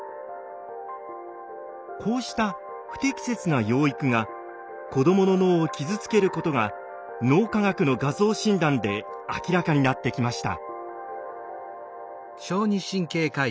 こうした不適切な養育が子どもの脳を傷つけることが脳科学の画像診断で明らかになってきました。